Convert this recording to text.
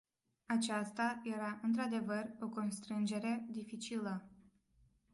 Aceasta era într-adevăr o constrângere dificilă.